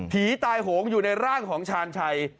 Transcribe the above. ตายโหงอยู่ในร่างของชาญชัย